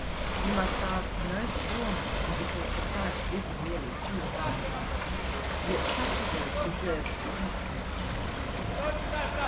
You must ask no poor man, because the price is really too high. Yet such a work deserves patronage.